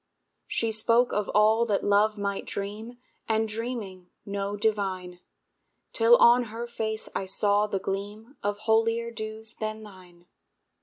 She spoke of all that Love might dream, And dreaming, know divine; Till on her face I saw the gleam Of holier dews than thine.